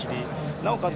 なおかつ